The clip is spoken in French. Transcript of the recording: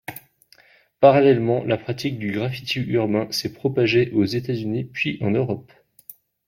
Parallèlement, la pratique du graffiti urbain s'est propagée aux États-Unis puis en Europe.